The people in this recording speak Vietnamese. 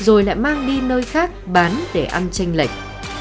rồi lại mang đi nơi khác bán để ăn tranh lệch